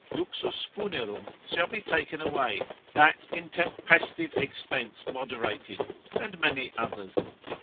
Luxus funerum shall be taken away, that intempestive expense moderated, and many others.